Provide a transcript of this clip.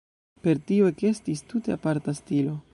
Per tio ekestis tute aparta stilo.